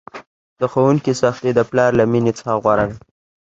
د ښوونکي سختي د پلار له میني څخه غوره ده!